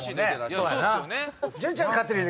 そうやな。